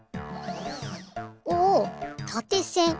おおたてせん。